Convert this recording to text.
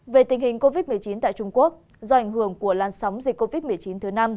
về tình hình covid một mươi chín tại trung quốc do ảnh hưởng của lan sóng dịch covid một mươi chín thứ năm